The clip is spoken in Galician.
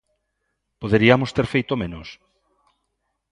¿Poderiamos ter feito menos?